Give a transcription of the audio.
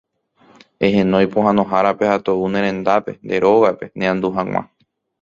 Ehenói pohãnohárape ha tou nde rendápe, nde rógape, neandu hag̃ua.